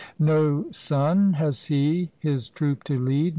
"No son has he his troop to lead.